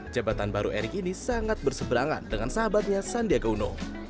jabatan baru erick ini sangat berseberangan dengan sahabatnya sandiaga uno